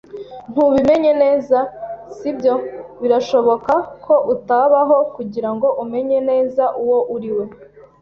“Ntubimenye neza, si byo! Birashoboka ko utabaho kugirango umenye neza uwo uriwe